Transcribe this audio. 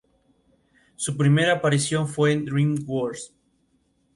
Su primera aparición fue en "Dream Warriors".